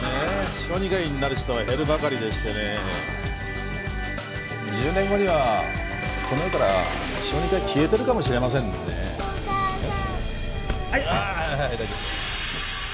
小児科医になる人は減るばかり１０年後にはこの世から小児科医が消えてるかもしれませんねえッ？